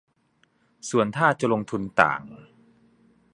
ส่วนถ้าจะลงทุนต่าง